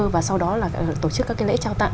và sau đó là tổ chức các cái lễ trao tặng